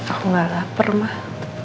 aku gak lapar mah